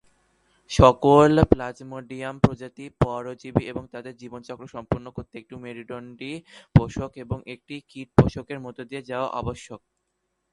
সকল "প্লাজমোডিয়াম" প্রজাতিই পরজীবী এবং তাদের জীবনচক্র সম্পন্ন করতে একটি মেরুদণ্ডী পোষক এবং একটি কীট পোষকের মধ্য দিয়ে যাওয়া আবশ্যক।